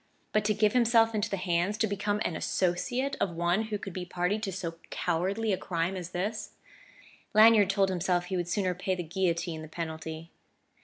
But to give himself into the hands, to become an associate, of one who could be party to so cowardly a Crime as this ... Lanyard told himself he would sooner pay the guillotine the penalty....